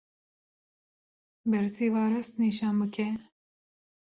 Bersiva rast nîşan bike.